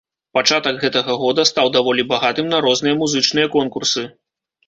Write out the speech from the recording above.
Пачатак гэтага года стаў даволі багатым на розныя музычныя конкурсы.